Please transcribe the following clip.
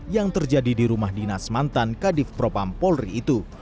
yang terjadi di rumah dinas mantan kadif propam polri itu